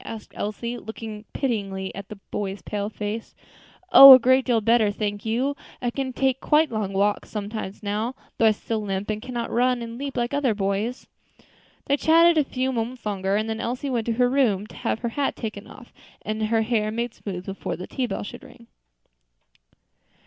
asked Elsie, looking pityingly at the boy's pale face. "Oh! a great deal better, thank you. I can take quite long walks sometimes now, though I still limp, and cannot run and leap like other boys." They chatted a few moments longer, and then Elsie went to her room to have her hat taken off, and her hair made smooth before the tea bell should ring.